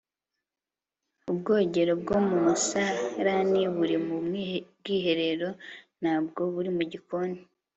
ubwogero bwo mu musarani buri mu bwiherero, ntabwo buri mu gikoni